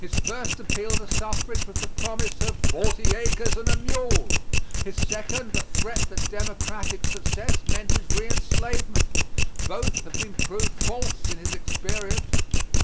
His first appeal to suffrage was the promise of "forty acres and a mule;" his second, the threat that Democratic success meant his re enslavement. Both have been proved false in his experience.